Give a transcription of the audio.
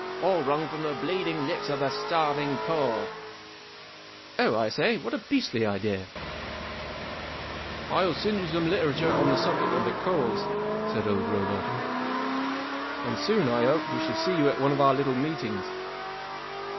All wrung from the bleeding lips of the starving poor !" 44 Oh, I say ! What a beastly idea !" 41 I will send you some literature on the subject of the Cause," said old Rowbotham. " And soon, I hope, we shall see you at one of our little meetings."